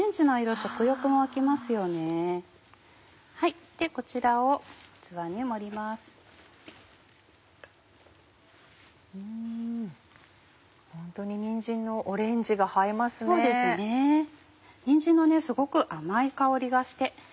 そうですねにんじんのすごく甘い香りがして。